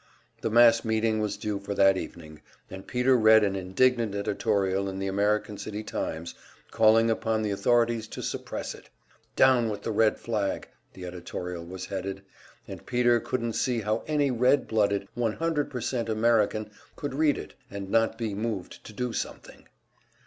The mass meeting was due for that evening, and Peter read an indignant editorial in the American City "Times," calling upon the authorities to suppress it. "Down with the Red Flag!" the editorial was headed; and Peter couldn't see how any red blooded, 100% American could read it, and not be moved to do something.